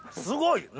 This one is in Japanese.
すごい！